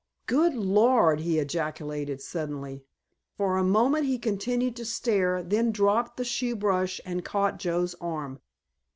"Good Lord!" he ejaculated suddenly. For a moment he continued to stare, then dropped the shoe brush and caught Joe's arm.